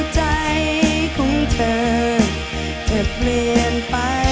แล้วใจของเธอจะเปลี่ยนไป